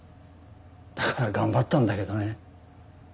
だから頑張ったんだけどね。